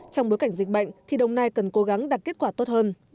trong bối cảnh dịch bệnh thì đồng nai cần cố gắng đạt kết quả tốt hơn